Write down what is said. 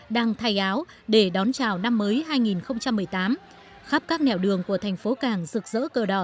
đang thay áo để đón chào năm mới hai nghìn một mươi tám khắp các nẻo đường của thành phố càng rực rỡ cờ đỏ